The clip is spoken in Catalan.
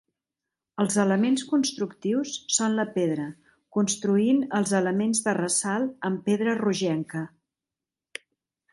Els elements constructius són la pedra, construint els elements de ressalt amb pedra rogenca.